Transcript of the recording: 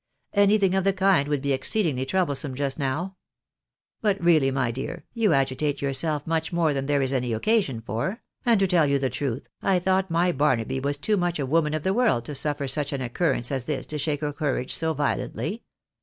" Anything of the kind would be exceedingly troublesome just now. But really, my dear, you agitate yourself much more than there is any occasion for ; and to tell you the truth, I thought my Barnaby was too much«a woman of the world to suffer such an occurrence as this to shake her courage so violently.